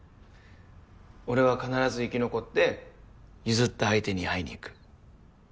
俺は必ず生き残って譲った相手に会いにいく。